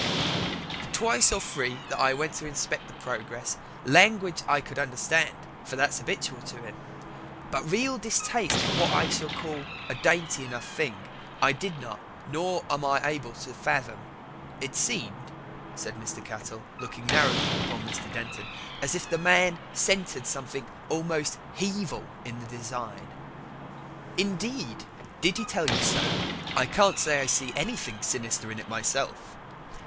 The twice or thrice that I went to inspect his progress: language I could understand, for that's 'abitual to him, but reel distaste for what I should call a dainty enough thing, I did not, nor am I now able to fathom. It seemed," said Mr. Cattell, looking narrowly upon Mr. Denton, "as if the man scented something almost Hevil in the design." "Indeed? did he tell you so? I can't say I see anything sinister in it myself."